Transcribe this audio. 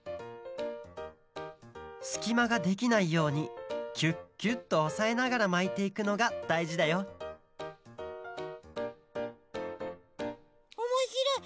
すきまができないようにキュッキュッとおさえながらまいていくのがだいじだよおもしろい！